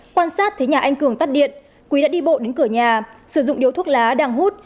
quan sát thấy nhà anh cường tắt điện quý đã đi bộ đến cửa nhà sử dụng điếu thuốc lá đang hút